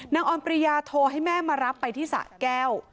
ออนปริยาโทรให้แม่มารับไปที่สะแก้ว